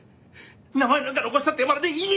名前なんか残したってまるで意味がない！